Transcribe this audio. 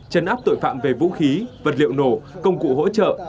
chấn áp tội phạm về vũ khí vật liệu nổ công cụ hỗ trợ